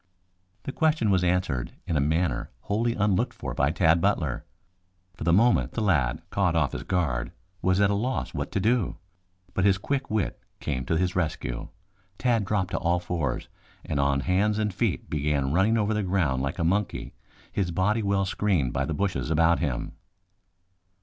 The question was answered in a manner wholly unlooked for by Tad Butler. For the moment the lad, caught off his guard, was at a loss what to do. But his quick wit came to his rescue. Tad dropped to all fours and on hands and feet began running over the ground like a monkey, his body well screened by the bushes about him.